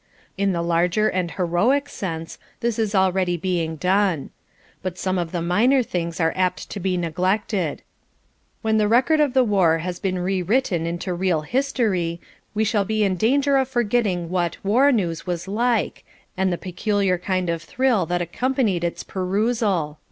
In the larger and heroic sense this is already being done. But some of the minor things are apt to be neglected. When the record of the war has been rewritten into real history, we shall be in danger of forgetting what WAR NEWS was like and the peculiar kind of thrill that accompanied its perusal.